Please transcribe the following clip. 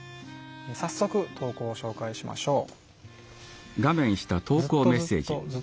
早速投稿を紹介しましょう。